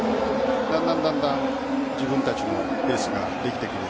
だんだん、自分たちのペースができてくる。